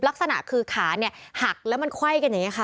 ลักษณะคือขาเนี่ยหักแล้วมันไขว้กันอย่างนี้ค่ะ